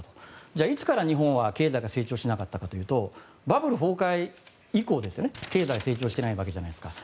じゃあ、いつから日本は経済が成長しなかったかというとバブル崩壊以降ですよね経済成長してないわけじゃないですか。